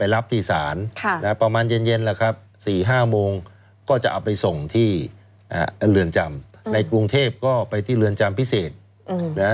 ละครับสี่ห้ามงก็จะเอาไปส่งที่เลือนจำในกรุงเทพก็ไปที่เลือนจำ